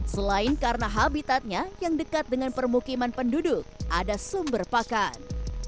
selain karena habitatnya yang dekat dengan permukiman penduduk ada sumber pakan